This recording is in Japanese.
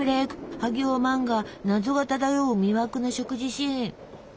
萩尾漫画謎が漂う魅惑の食事シーン！